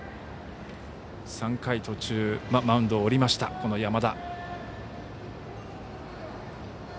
３回途中、マウンドを降りました山田。